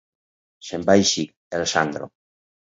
Se'n va eixir, el Sandro.